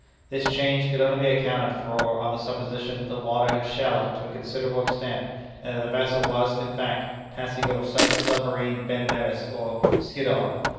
This change could only be accounted for on the supposition that the water had shallowed to a considerable extent, and that the vessel was, in fact, passing over some submarine Ben Nevis or Skiddaw.